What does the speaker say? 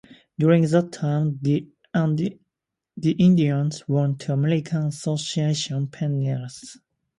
During that time, the Indians won two American Association pennants.